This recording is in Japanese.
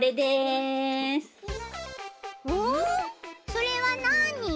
それはなに？